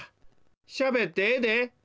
しゃべってええで。